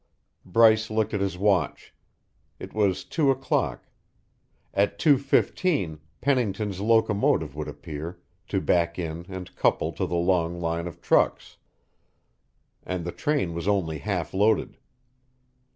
Bryce looked at his watch. It was two o'clock; at two fifteen Pennington's locomotive would appear, to back in and couple to the long line of trucks. And the train was only half loaded.